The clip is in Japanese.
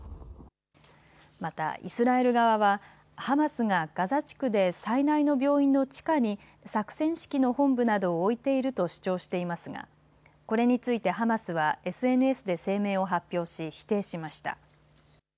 またイスラエル側はハマスがガザ地区で最大の病院の地下に作戦指揮の本部などを置いていると主張していますがこれについてハマスはＳＮＳで声明を発表し否定しました。